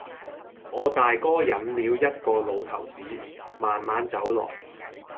我大哥引了一個老頭子，慢慢走來；